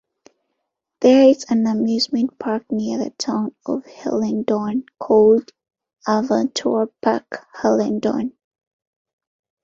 There is an amusement park near the town of Hellendoorn called "Avonturenpark Hellendoorn".